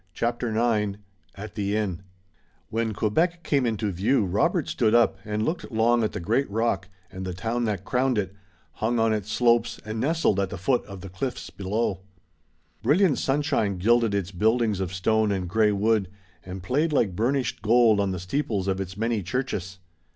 CHAPTER IX AT THE INN When Quebec came into view Robert stood up and looked long at the great rock and the town that crowned it, hung on its slopes and nestled at the foot of the cliffs below. Brilliant sunshine gilded its buildings of stone and gray wood, and played like burnished gold on the steeples of its many churches.